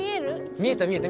見えた見えた。